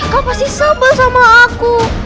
kau pasti sama sama aku